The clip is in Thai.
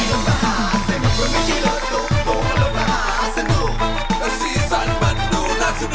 ก็มันไม่ใช่รถประทุกและไม่ใช่รถตุ๊กตุ๊ก